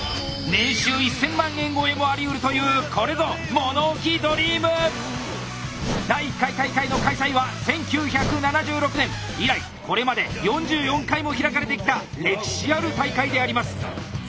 年収１，０００万円超えもありうるというこれぞ以来これまで４４回も開かれてきた歴史ある大会であります。